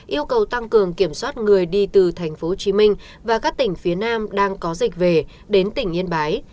yêu cầu tăng cường kiểm soát người đi từ tp hcm và các tỉnh phía nam đang có dịch về đến tỉnh yên bái